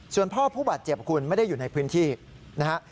ส่วนพ่อผู้บาดเจ็บคุณไม่ได้อยู่ในพื้นที่นะฮะ